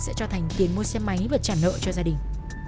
sẽ cho thành tiền mua xe máy và trả nợ cho gia đình